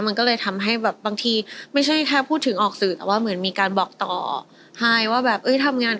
มันก็เลยทำให้แบบบางทีไม่ใช่แค่พูดถึงออกสื่อ